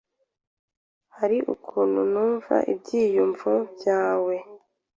Hari ukuntu numva ibyiyumvo byawe.